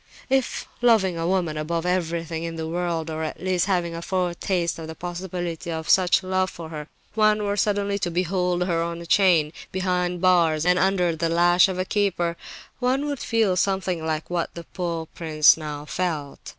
If, loving a woman above everything in the world, or at least having a foretaste of the possibility of such love for her, one were suddenly to behold her on a chain, behind bars and under the lash of a keeper, one would feel something like what the poor prince now felt.